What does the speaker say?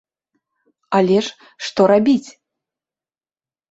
Але ж што рабіць?